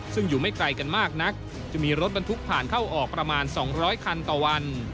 ซึ่งอยู่ไม่ไกลกันมากนักจะมีรถบรรทุกผ่านเข้าออกประมาณ๒๐๐คันต่อวัน